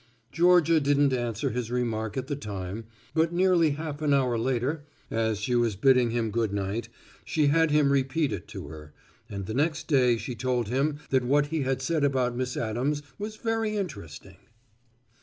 Georgia didn't answer his remark at the time, but nearly half an hour later as she was bidding him good night she had him repeat it to her, and the next day she told him that what he had said about Miss Addams was very interesting.